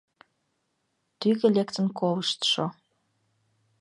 Тӱгӧ лектын колыштшо.